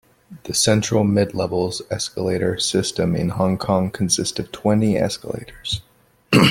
The Central-Midlevels escalator system in Hong Kong consists of twenty escalators.